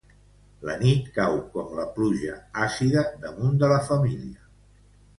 La nit cau com la pluja àcida damunt de la família.